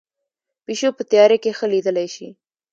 پیشو په تیاره کې ښه لیدلی شي